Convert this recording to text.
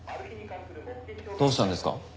どうしたんですか？